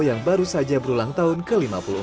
yang baru saja berulang tahun ke lima puluh empat